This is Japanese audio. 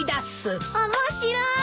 面白い！